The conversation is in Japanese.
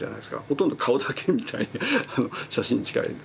ほとんど顔だけみたいな写真に近い。